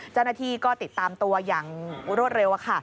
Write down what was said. เจ้าหน้าที่ก็ติดตามตัวอย่างรวดเร็ว